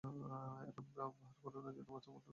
এমন ভান কোরো না যে, ওর জন্য তোমার মনটা পুড়ে যাচ্ছে।